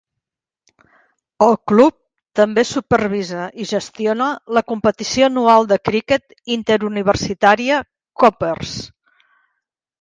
El club també supervisa i gestiona la competició anual de criquet interuniversitària "Cuppers".